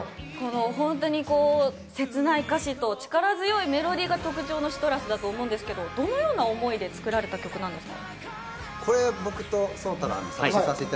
せつない歌詞と力強いメロディーが特徴の『ＣＩＴＲＵＳ』ですが、どのような思いで作られた曲なんですか？